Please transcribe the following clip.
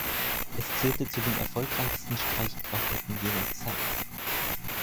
Es zählte zu den erfolgreichsten Streichquartetten jener Zeit.